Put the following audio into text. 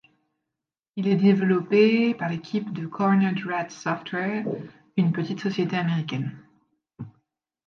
Il est développé par l’équipe de Cornered Rats Software, une petite société américaine.